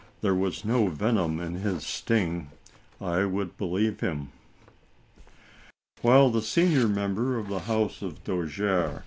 There was no venom in his sting, I would Believe him." While the senior member of the house of Do jere & Co.